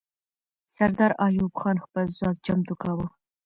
سردار ایوب خان خپل ځواک چمتو کاوه.